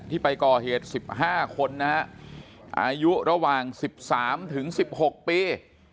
ที่ไปก่อเหตุสิบห้าคนนะฮะอายุระหว่างสิบสามถึงสิบหกปี